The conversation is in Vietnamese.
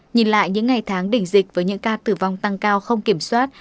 nhìn lại những ngày tháng đỉnh dịch với những ca tử vong tăng cao không kiểm soát